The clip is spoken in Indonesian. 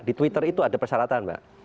di twitter itu ada persyaratan mbak